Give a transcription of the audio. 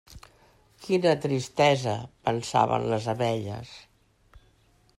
Quina tristesa!, pensaven les abelles.